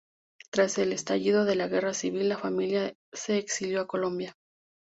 Tras el estallido de la Guerra Civil, la familia se exilió a Colombia.